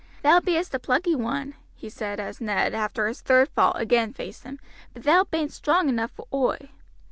"Thou bee'st a plucky one," he said, as Ned after his third fall again faced him, "but thou bain't strong enough for oi."